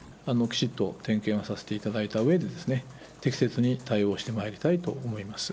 きちっと点検をさせていただいたうえで、適切に対応してまいりたいと思います。